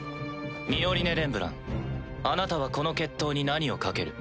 ミオリネ・レンブランあなたはこの決闘に何を賭ける？